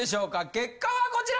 結果はこちら！